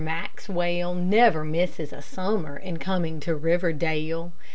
Maxwell never misses a summer in coming to Riverdale.